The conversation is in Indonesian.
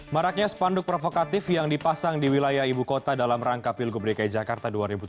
maraknya spanduk provokatif yang dipasang di wilayah ibu kota dalam rangka pilgub dki jakarta dua ribu tujuh belas